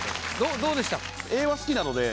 どうでした？